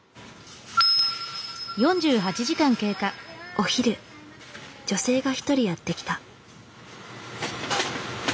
お昼女性が一人やって来た。